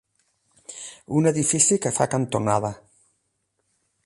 Un edifici que fa cantonada.